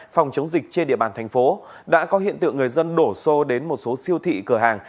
phòng chống dịch trên địa bàn thành phố đã có hiện tượng người dân đổ xô đến một số siêu thị cửa hàng